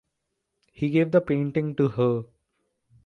He gave the painting to her.